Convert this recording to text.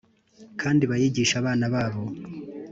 kandi bayigishe abana babo.’ “